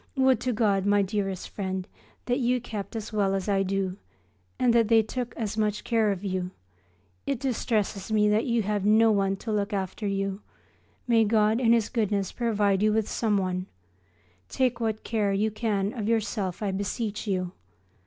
Would to God, my dearest friend, that you kept as well as I do, and that they took as much care of you! It distresses me that you have no one to look after you. May God in His goodness provide you with someone! Take what care you can of yourself, I beseech you.